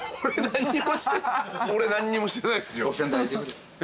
俺何にもしてないっすよ。